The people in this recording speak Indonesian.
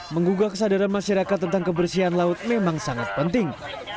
menggugah kesadaran masyarakat tentang kebersihan laut memang sangat penting